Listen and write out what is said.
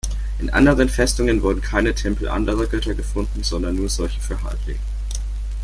In anderen Festungen wurden keine Tempel anderer Götter gefunden, sondern nur solche für Ḫaldi.